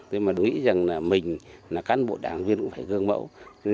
tôi nghĩ rằng mình là cán bộ đảng viên cũng phải gương mẫu